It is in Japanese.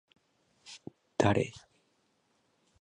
高咲侑